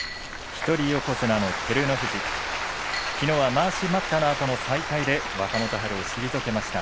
一人横綱の照ノ富士きのうは、まわし待ったのあとの再開で若元春を退けました。